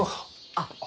あっ。